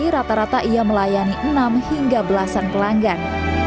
rata rata ia melayani enam hingga belasan pelanggan